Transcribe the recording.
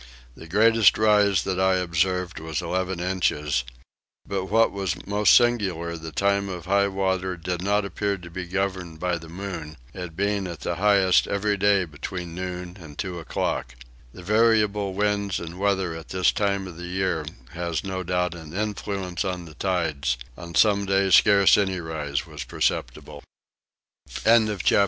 The greatest rise that I observed was 11 inches; but what was most singular the time of high water did not appear to be governed by the moon, it being at the highest every day between noon and two o'clock. The variable winds and weather at this time of the year has no doubt an influence on the tides: on some days scarce any rise was perceptible. CHAPTER 12. At the Island Huaheine. A Friend of Omai visits the Ship.